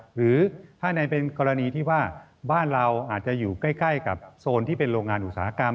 หรือถ้าในเป็นกรณีที่ว่าบ้านเราอาจจะอยู่ใกล้กับโซนที่เป็นโรงงานอุตสาหกรรม